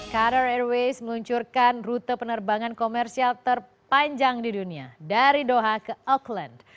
carror airways meluncurkan rute penerbangan komersial terpanjang di dunia dari doha ke auckland